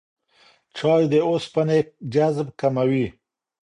چای د اوسپنې جذب کموي.